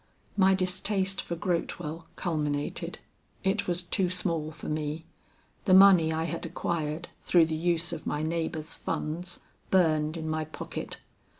"My distaste for Grotewell culminated. It was too small for me. The money I had acquired through the use of my neighbor's funds burned in my pocket.